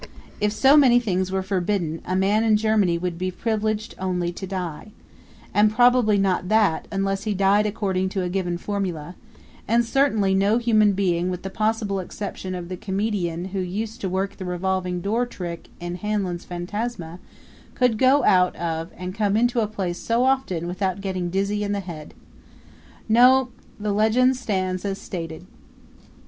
If so many things were forbidden, a man in Germany would be privileged only to die and probably not that, unless he died according to a given formula; and certainly no human being with the possible exception of the comedian who used to work the revolving door trick in Hanlon's Fantasma, could go out of and come into a place so often without getting dizzy in the head. No the legend stands as stated.